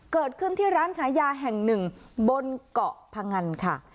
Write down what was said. เกิดขึ้นที่ร้านขายยาแห่งหนึ่งบนเกาะพงันค่ะ